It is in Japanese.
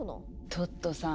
トットさん